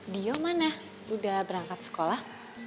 dio mana udah berangkat sekolah